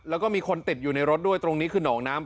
แล้วก็มีคนติดอยู่ในรถด้วยตรงนี้คือหนองน้ำ